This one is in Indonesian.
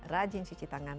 rajin cuci tangan